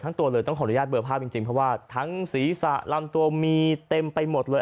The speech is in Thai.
ตัวเลยต้องขออนุญาตเบอร์ภาพจริงเพราะว่าทั้งศีรษะลำตัวมีเต็มไปหมดเลย